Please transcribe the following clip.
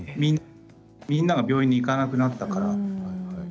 みんなが病院に行かなくなったから。